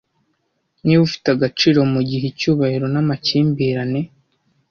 Niba ufite agaciro mugihe icyubahiro namakimbirane